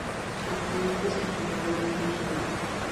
Al poniente circuló el Río Consulado.